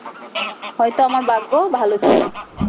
হয়তো আমার ভাগ্য ভালো ছিল।